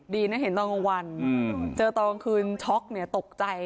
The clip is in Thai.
ดีนะเห็นตอนกลางวันเจอตอนกลางคืนช็อกเนี่ยตกใจ